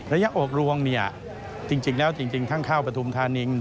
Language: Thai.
ระยะออกรวงจริงแล้วทั้งข้าวประทุมธานี๑